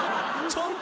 ちょっと。